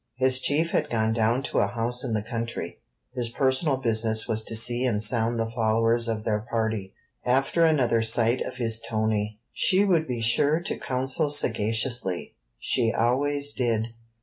His Chief had gone down to a house in the country; his personal business was to see and sound the followers of their party after another sight of his Tony. She would be sure to counsel sagaciously; she always did.